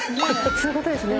そういうことですね。